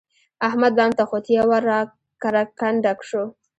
احمد بام ته خوت؛ یو وار را کرکنډه شو.